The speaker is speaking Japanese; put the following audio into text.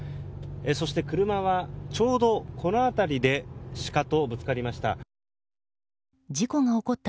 そして車はちょうどこの辺りでシカとぶつかりました。